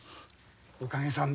おかげさんで。